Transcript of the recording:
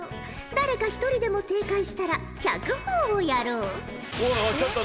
誰か一人でも正解したら１００ほぉをやろう。